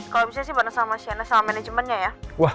kalau bisa sih bareng sama shane sama manajemennya ya